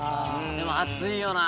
でも暑いよな。